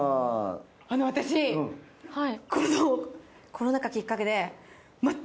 あの私このコロナ禍きっかけで。